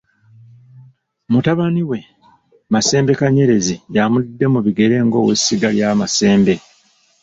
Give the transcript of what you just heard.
Mutabani we, Masembe Kanyerezi y'amudidde mu bigere ng'owessiga lya Masembe.